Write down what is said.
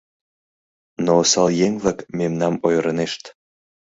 Но осал еҥ-влак мемнам ойырынешт.